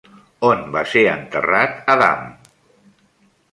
On va ser enterrat Adam?